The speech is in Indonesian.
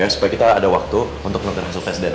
supaya kita ada waktu untuk pengukuran hasil tes dna putri